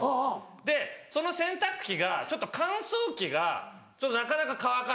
でその洗濯機がちょっと乾燥機がなかなか乾かない。